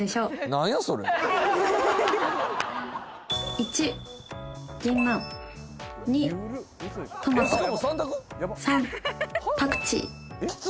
１銀杏２トマト３パクチー